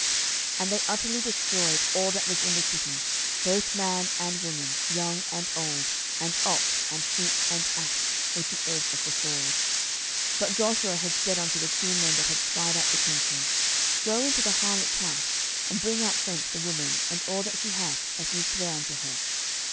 06:006:021 And they utterly destroyed all that was in the city, both man and woman, young and old, and ox, and sheep, and ass, with the edge of the sword. 06:006:022 But Joshua had said unto the two men that had spied out the country, Go into the harlot's house, and bring out thence the woman, and all that she hath, as ye sware unto her.